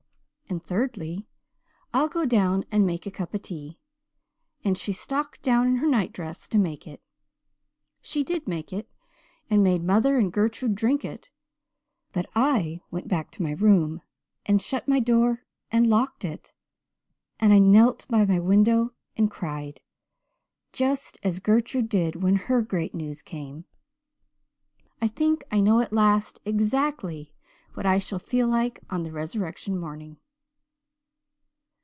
and thirdly, 'I'll go down and make a cup of tea' and she stalked down in her nightdress to make it. She did make it and made mother and Gertrude drink it but I went back to my room and shut my door and locked it, and I knelt by my window and cried just as Gertrude did when her great news came. "I think I know at last exactly what I shall feel like on the resurrection morning."